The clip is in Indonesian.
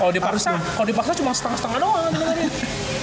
kalau dipaksa cuma setengah setengah doang dengerin